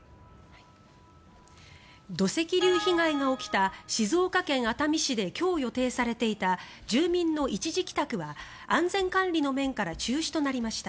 土石流被害が起きた静岡県熱海市で今日、予定されていた住民の一時帰宅は安全管理の面から中止となりました。